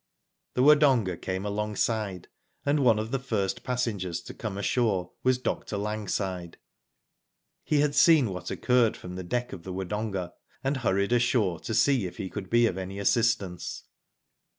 The Wodonga came alongside, and one of the first passengers to come ashore was Dr. Lang side. He had seen what occurred from the deck of the Wodonga, and hurried ashore to see if he could be of any assistance.